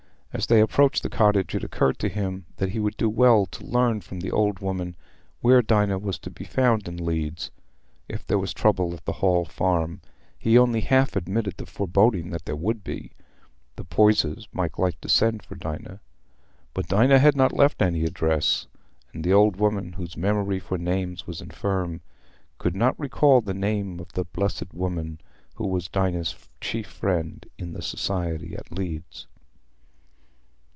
As they approached the cottage, it occurred to him that he would do well to learn from the old woman where Dinah was to be found in Leeds: if there was trouble at the Hall Farm—he only half admitted the foreboding that there would be—the Poysers might like to send for Dinah. But Dinah had not left any address, and the old woman, whose memory for names was infirm, could not recall the name of the "blessed woman" who was Dinah's chief friend in the Society at Leeds.